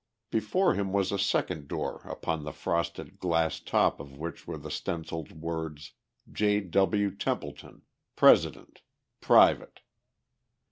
Before him was a second door upon the frosted glass top of which were the stencilled words: J.W. TEMPLETON, President, Private.